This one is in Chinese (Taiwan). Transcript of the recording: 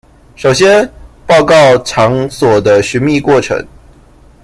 首先報告場所的尋覓過程